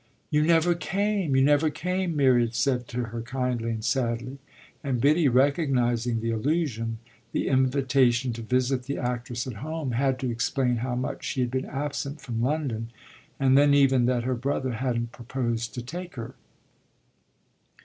"You never came you never came," Miriam said to her kindly and sadly; and Biddy, recognising the allusion, the invitation to visit the actress at home, had to explain how much she had been absent from London and then even that her brother hadn't proposed to take her.